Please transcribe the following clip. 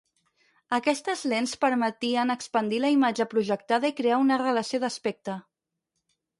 Aquestes lents permetien expandir la imatge projectada i crear una relació d'aspecte.